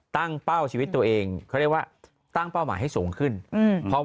เป้าชีวิตตัวเองเขาเรียกว่าตั้งเป้าหมายให้สูงขึ้นอืม